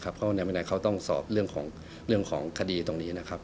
เพราะในบันไดเขาต้องสอบเรื่องของคดีตรงนี้นะครับ